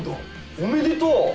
おめでとう！